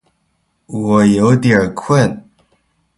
我有点困